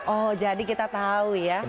oh jadi kita tahu ya